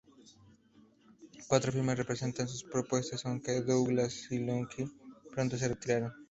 Cuatro firmas presentaron sus propuestas, aunque Douglas y Lockheed pronto se retiraron.